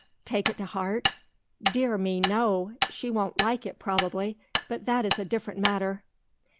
"Take it to heart? Dear me no; she won't like it, probably; but that is a different matter."